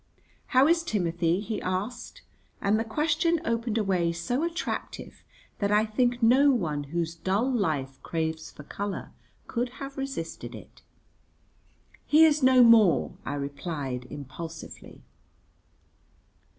"How is Timothy?" he asked; and the question opened a way so attractive that I think no one whose dull life craves for colour could have resisted it. "He is no more," I replied impulsively.